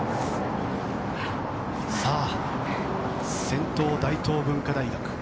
先頭、大東文化大学。